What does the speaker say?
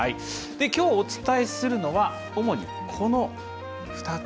お伝えするのは主にこの２つ。